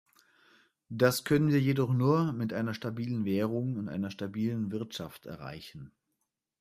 Das können wir jedoch nur mit einer stabilen Währung und einer stabilen Wirtschaft erreichen.